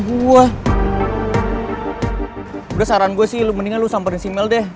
udah saran gue sih mendingan lu sampe liat mel deh